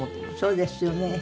そうですよね。